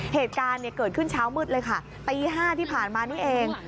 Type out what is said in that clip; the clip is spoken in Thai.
เหตุการณ์เกิดขึ้นเช้ามืดเลยค่ะตี๕ที่ผ่านมานี่เอง